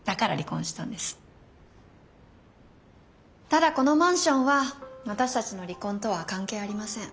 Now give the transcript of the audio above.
ただこのマンションは私たちの離婚とは関係ありません。